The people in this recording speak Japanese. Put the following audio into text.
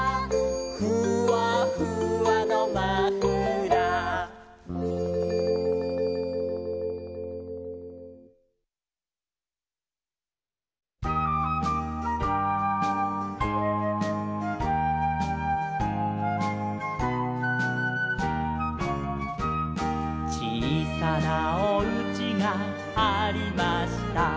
「ふわふわのマフラー」「ちいさなおうちがありました」